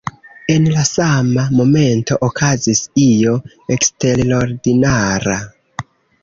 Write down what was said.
En la sama momento okazis io eksterordinara.